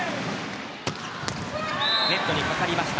ネットに掛かりました。